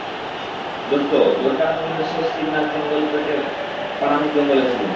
দোস্ত, দ্বোরকার ফোনের শেষ সিগন্যাল চেঙ্গলপেটের পারানুর জঙ্গলে ছিল।